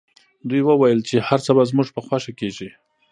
دوی وویل چي هر څه به زموږ په خوښه کیږي.